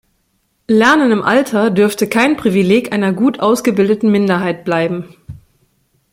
Lernen im Alter dürfe kein Privileg einer gut ausgebildeten Minderheit bleiben.